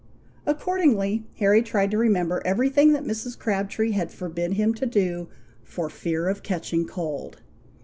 Accordingly Harry tried to remember every thing that Mrs. Crabtree had forbid him to do "for fear of catching cold."